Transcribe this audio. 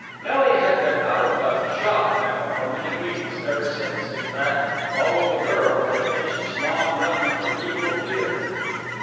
Nelly had been out of a "shop" now for many weeks ever since, in fact, "Follow the Girl" had finished its long run at the Regal Theatre.